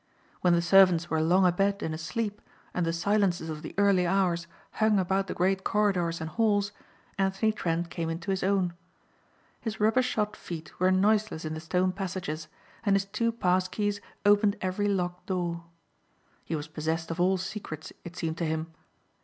When the servants were long abed and asleep and the silences of the early hours hung about the great corridors and halls Anthony Trent came into his own. His rubbershod feet were noiseless in the stone passages and his two pass keys opened every locked door. He was possessed of all secrets it seemed to him.